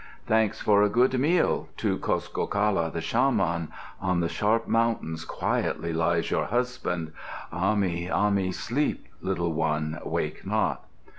'Thanks for a good meal to Kuskokala the shaman. On the sharp mountain quietly lies your husband.' Ahmi, Ahmi, sleep, little one, wake not!